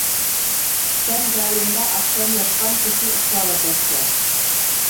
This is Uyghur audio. سەن جايىڭدا ئاخشام ياتقان پېتى ئۇخلاۋاتاتتىڭ.